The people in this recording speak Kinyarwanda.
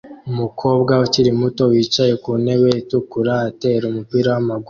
Umukobwa ukiri muto wicaye ku ntebe itukura atera umupira wamaguru